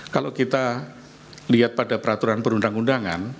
kalau kita lihat pada peraturan perundang undangan